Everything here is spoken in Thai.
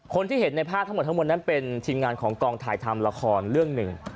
คนที่เห็นในภาพทั้งหมดทั้งหมดนั้นเป็นทีมงานของกองถ่ายทำละครเรื่องหนึ่ง